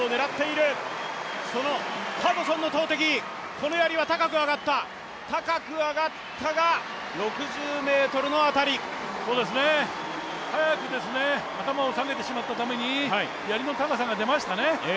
このやりは高く上がったが、６０ｍの辺り。早く頭を下げてしまったためにやりの高さが出ましたね。